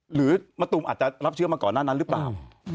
มะตูมอาจจะรับเชื้อมาก่อนหน้านั้นหรือเปล่า